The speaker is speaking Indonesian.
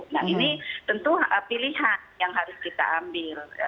nah ini tentu pilihan yang harus kita ambil